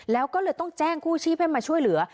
แล้วก็เลยต้องแจ้งกู้ชีพให้มาช่วยเหลือ